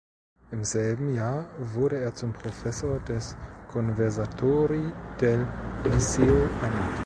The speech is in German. Im selben Jahr wurde er zum Professor des Conservatori del Liceu ernannt.